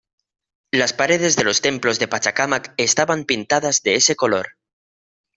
Las paredes de los templos de Pachacámac estaban pintadas de ese color.